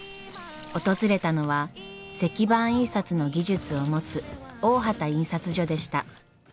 訪れたのは石版印刷の技術を持つ大畑印刷所でした。